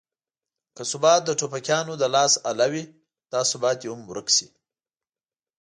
که ثبات د ټوپکیانو د لاس اله وي دا ثبات دې هم ورک شي.